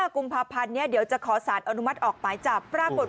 กุมภาพันธ์นี้เดี๋ยวจะขอสารอนุมัติออกหมายจับปรากฏ